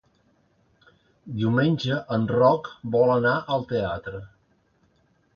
Diumenge en Roc vol anar al teatre.